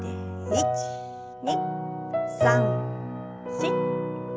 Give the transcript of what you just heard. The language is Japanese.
１２３４。